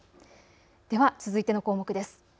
では続いての項目です。